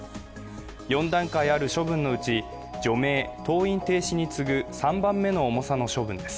４段階ある処分のうち除名、登院停止に次ぐ３番目の重さの処分です。